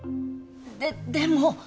ででも。